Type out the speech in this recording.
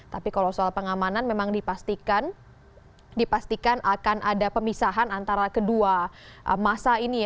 tapi kalau soal pengamanan memang dipastikan akan ada pemisahan antara kedua masa ini ya